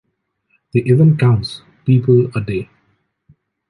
The event counts.... people a day.